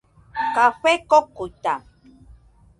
Café kokuita.